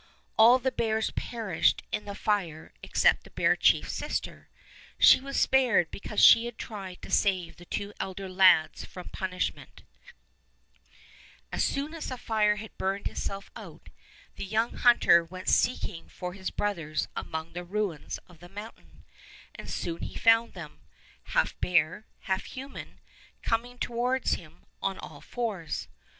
All the bears perished in the fire except the bear chief's sister. She was spared because she had tried to save the two elder lads from punishment. 78 Fairy Tale Bears As soon as the fire had burned itself out the young hunter went seeking for his brothers among the ruins of the mountain, and he soon found them, half bear, haK human, coming toward him on all fours.